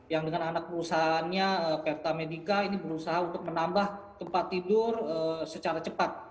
yang dengan anak perusahaannya pertamedica ini berusaha untuk menambah tempat tidur secara cepat